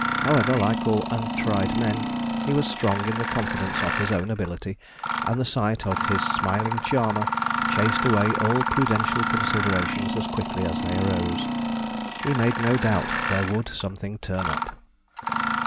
However, like all untried men, he was strong in the confidence of his own ability, and the sight of his smiling charmer chased away all prudential considerations as quickly as they arose. He made no doubt there would something turn up.